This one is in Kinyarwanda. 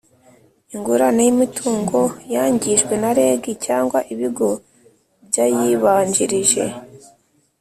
ingurane y’imitungo yangijwe na reg cyangwa ibigo byayibanjirije,